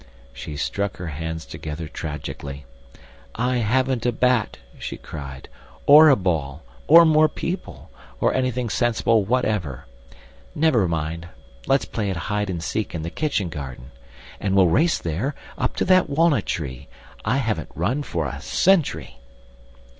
She struck her hands together tragically. "I haven't a bat," she cried, "or a ball, or more people, or anything sensible whatever. Never mind; let's play at hide and seek in the kitchen garden. And we'll race there, up to that walnut tree; I haven't run for a century!"